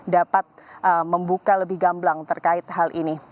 dapat membuka lebih gamblang terkait hal ini